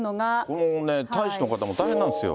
もうね、大使の方も大変なんですよ。